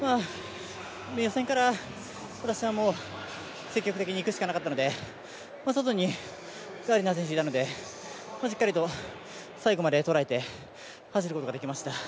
予選から積極的にいくしかなかったので、外にガーディナー選手がいたので、しっかりと最後まで捉えて走ることができました。